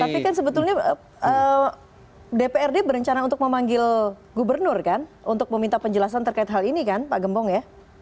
tapi kan sebetulnya dprd berencana untuk memanggil gubernur kan untuk meminta penjelasan terkait hal ini kan pak gembong ya